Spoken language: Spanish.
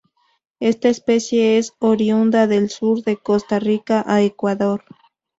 Esta especie es oriunda del Sur de Costa Rica a Ecuador.